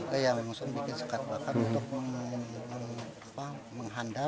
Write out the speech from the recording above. kita yang memusuhkan membuat sekat bakar untuk menghandal